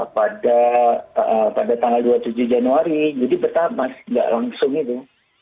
pada tanggal dua puluh tujuh januari jadi bertambah nggak langsung itu